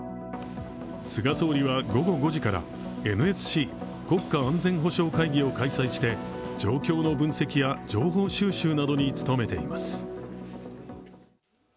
菅総理は午後５時からＮＳＣ＝国家安全保障会議を開催して状況の分析や情報収集などに努めています。